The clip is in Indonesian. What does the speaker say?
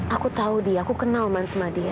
aku tahu dia aku kenal man sama dia